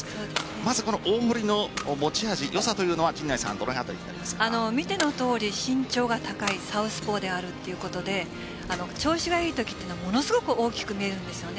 まず大堀の持ち味良さというのは見てのとおり身長が高いサウスポーであるということで調子が良いときはものすごく大きく見えるんですよね。